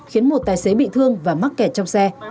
khiến một tài xế bị thương và mắc kẹt trong xe